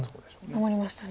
守りましたね。